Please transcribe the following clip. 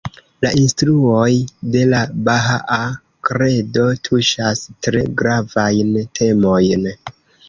La instruoj de la Bahaa Kredo tuŝas tre gravajn temojn.